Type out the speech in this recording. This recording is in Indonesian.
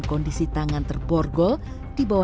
obat ilegal mungkin pak ya